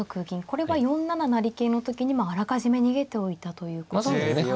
これは４七成桂の時にあらかじめ逃げておいたということですか。